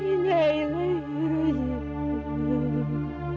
tidak tidak tidak